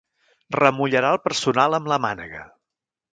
Remullarà el personal amb la mànega.